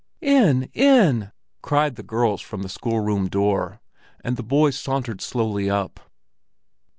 "In, in!" cried the girls from the schoolroom door, and the boys sauntered slowly up.